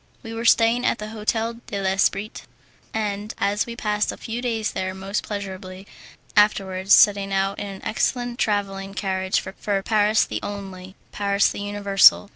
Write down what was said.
We were staying at the "Hotel de l'Esprit," and we passed a few days there most pleasurably, afterwards setting out in an excellent travelling carriage for Paris the Only, Paris the Universal.